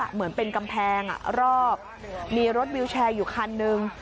เหมือนเป็นกำแพงรอบมีรถวิวแชร์อยู่คันนึง